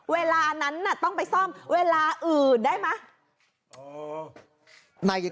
เวลานั้นต้องไปซ่อมเวลาอื่นได้ไหม